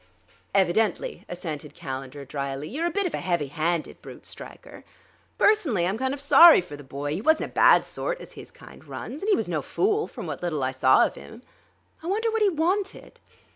"Evidently," assented Calendar dryly. "You're a bit of a heavy handed brute, Stryker. Personally I'm kind of sorry for the boy; he wasn't a bad sort, as his kind runs, and he was no fool, from what little I saw of him.... I wonder what he wanted."